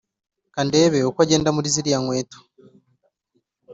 kandebe uko agenda muri ziriya nkweto